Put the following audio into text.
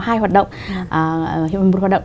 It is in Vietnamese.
hai hoạt động một hoạt động